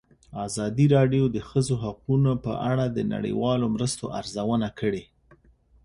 ازادي راډیو د د ښځو حقونه په اړه د نړیوالو مرستو ارزونه کړې.